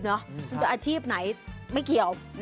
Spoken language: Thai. คุณจะอาชีพไหนไม่เกี่ยว